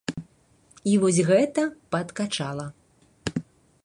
І вось гэта падкачала.